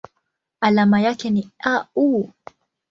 Alama yake ni Au.